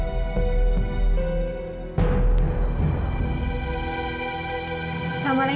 asalkan kamu bahagia wi